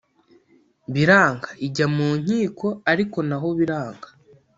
biranga ijya mu nkiko ariko naho biranga